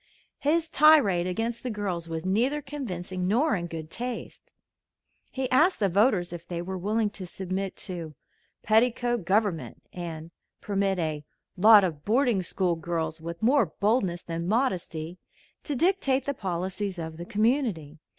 His tirade against the girls was neither convincing nor in good taste. He asked the voters if they were willing to submit to "petticoat government," and permit a "lot of boarding school girls, with more boldness than modesty" to dictate the policies of the community.